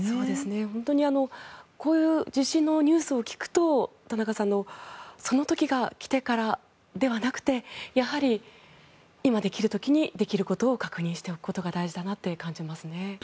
本当にこういう地震のニュースを聞くと田中さんのその時が来てからではなくてやはり今できる時にできることを確認しておくことが大事だなと感じますね。